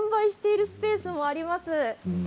販売しているスペースがあります。